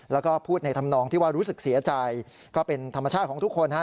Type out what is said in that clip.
แล้วก็พูดในธรรมนองที่ว่ารู้สึกเสียใจก็เป็นธรรมชาติของทุกคนฮะ